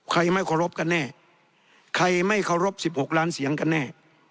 ไม่เคารพกันแน่ใครไม่เคารพ๑๖ล้านเสียงกันแน่